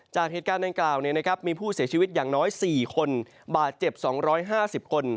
จากเทศกาแนนกราวมีผู้เสียชีวิตอย่างน้อย๔คนบาดเจ็บ๒๕๐คน